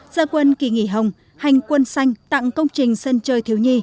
gia quân kỳ nghỉ hồng hành quân xanh tặng công trình sân chơi thiếu nhi